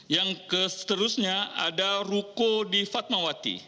yang seterusnya ada ruko di fatmawati